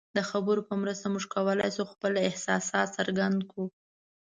د خبرو په مرسته موږ کولی شو خپل احساسات څرګند کړو.